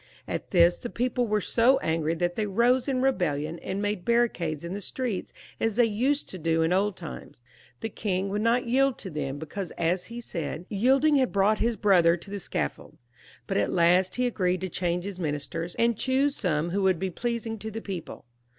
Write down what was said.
At this the people were so angry that they rose up in a rebellion, and made barricades in the street as they used to do in old times. The king would not yield to them, because, as he said, "yielding had brought his brother to the scaffold," but at last he agreed to change his ministers, and choose some who would be pleasing to the people.